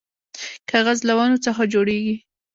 کاغذ له ونو څخه جوړیږي